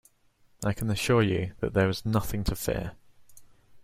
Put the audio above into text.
I can assure you that there is nothing to fear